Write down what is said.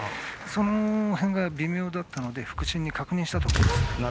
その辺が微妙だったので副審に確認したと思います。